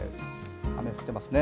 雨降ってますね。